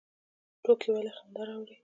ټوکې ولې خندا راوړي؟